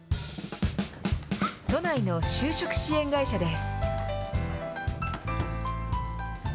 都内の就職支援会社です。